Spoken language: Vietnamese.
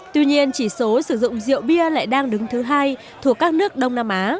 tuy nhiên chỉ số sử dụng rượu bia lại đang đứng thứ hai thuộc các nước đông nam á